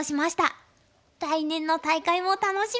来年の大会も楽しみですね。